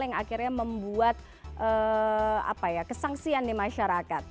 yang akhirnya membuat kesangsian di masyarakat